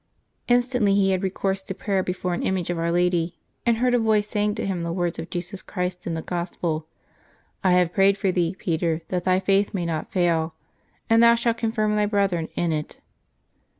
Instantly he had recourse to prayer before an image of Onr Lady, and heard a voice saying to him the words of Jesus Christ in the Gospel, "I have prayed for thee, Peter, that thy faith may not fail ; and thon shalt confirm thy brethren in it."